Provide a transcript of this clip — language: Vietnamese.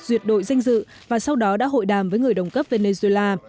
duyệt đội danh dự và sau đó đã hội đàm với người đồng cấp venezuela